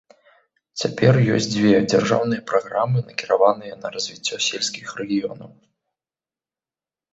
Цяпер ёсць дзве дзяржаўныя праграмы, накіраваныя на развіццё сельскіх рэгіёнаў.